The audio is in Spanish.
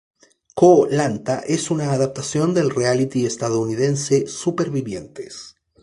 Koh-Lanta es una adaptación del reality estadounidense; Supervivientes.